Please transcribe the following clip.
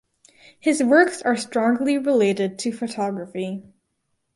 His works are strongly related to photography.